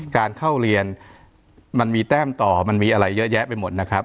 การเข้าเรียนมันมีแต้มต่อมันมีอะไรเยอะแยะไปหมดนะครับ